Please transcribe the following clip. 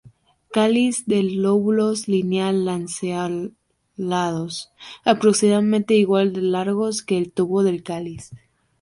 Cáliz de lóbulos lineal-lanceolados, aproximadamente igual de largos que el tubo del cáliz.